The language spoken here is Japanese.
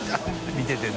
見ててね。